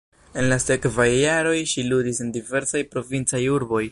En la sekvaj jaroj ŝi ludis en diversaj provincaj urboj.